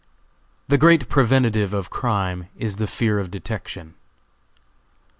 The great preventive of crime, is the fear of detection.